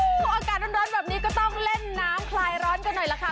พออากาศร้อนแบบนี้ก็ต้องเล่นน้ำคลายร้อนกันหน่อยล่ะค่ะ